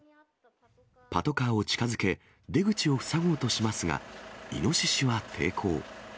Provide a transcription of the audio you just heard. パトカーを近づけ、出口を塞ごうとしますが、イノシシは抵抗。